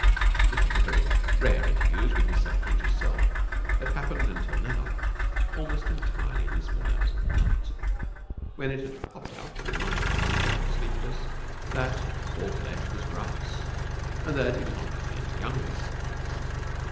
Mr Pickering's rare interviews with his subconscious self had happened until now almost entirely in the small hours of the night, when it had popped out to remind him, as he lay sleepless, that all flesh was grass and that he was not getting any younger.